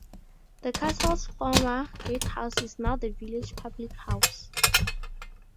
The castle's former gatehouse is now the village public house.